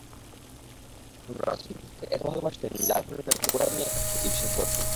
কারণ রাসূল তাকে এতো ভালবাসতেন যার কারণে গোটা দুনিয়া তাকে ঈর্ষা করত।